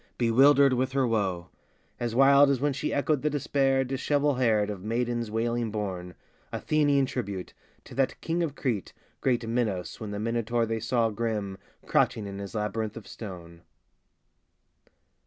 bewildered with her woe: As wild as when she echoed the despair, Dishevel haired, of maidens, wailing borne, Athenian tribute, to that King of Crete, Great Minos, when the Minotaur they saw Grim, crouching in his labyrinth of stone.